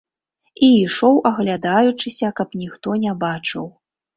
І ішоў аглядаючыся, каб ніхто не бачыў.